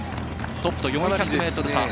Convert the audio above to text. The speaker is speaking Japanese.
トップと４００ｍ差。